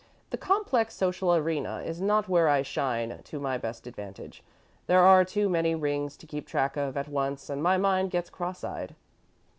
The complex social arena is not where I shine to my best advantage. There are too many rings to keep track of at once, and my mind gets cross eyed."